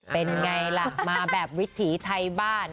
เป็นไงล่ะมาแบบวิถีไทยบ้าน